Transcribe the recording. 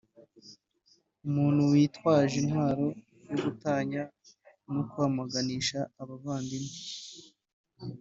umuntu yitwaje intwaro yo gutanya no kwanganisha abavandimwe